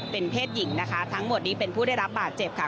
เป็นเพศหญิงนะคะทั้งหมดนี้เป็นผู้ได้รับบาดเจ็บค่ะ